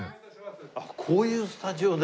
あっこういうスタジオで？